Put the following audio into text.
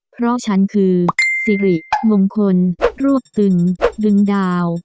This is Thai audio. เพราะฉันคือสิริมงคลรวบตึงดึงดาว